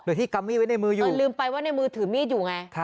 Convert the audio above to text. โดยที่กำมีดไว้ในมืออยู่แต่ลืมไปว่าในมือถือมีดอยู่ไง